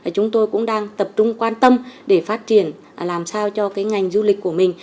chúng tôi cũng đang tập trung quan tâm để phát triển làm sao cho ngành du lịch của mình